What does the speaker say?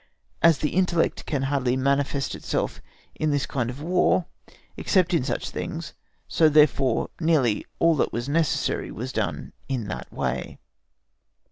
As the intellect can hardly manifest itself in this kind of War, except in such things, so therefore nearly all that was necessary was done in that way.